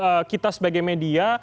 menurut kita sebagai media